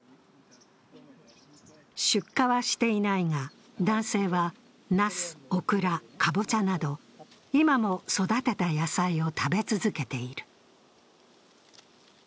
出荷はしていないが男性はなす、オクラ、かぼちゃなど今も育てた野菜を食べ続けている。